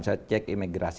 saya sudah cek imigrasi